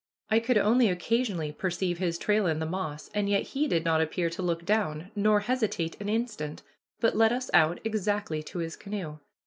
I could only occasionally perceive his trail in the moss, and yet he did not appear to look down nor hesitate an instant, but led us out exactly to his canoe.